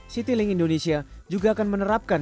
citylink indonesia juga akan menerapkan